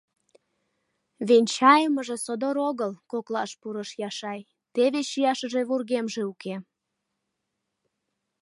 — Венчайымыже содор огыл, — коклаш пурыш Яшай, — теве чияшыже вургемже уке.